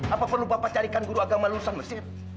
apa perlu bapak carikan guru agama lulusan mesir